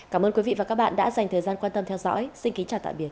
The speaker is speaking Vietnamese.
cảm ơn quý vị và các bạn đã dành thời gian quan tâm theo dõi xin kính chào tạm biệt